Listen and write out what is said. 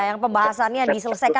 yang pembahasannya diselesaikan